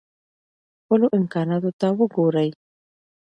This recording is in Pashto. خپلو امکاناتو ته وګورئ.